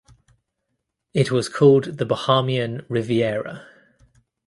It was called the Bahamian Riviera.